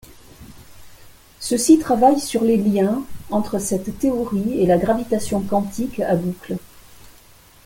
Ceux-ci travaillent sur les liens entre cette théorie et la gravitation quantique à boucles.